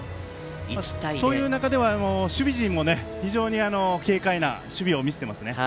そういう中では守備陣も非常に軽快な守備を見せています。